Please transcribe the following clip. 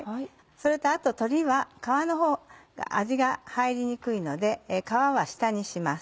それとあと鶏は皮の方が味が入りにくいので皮は下にします。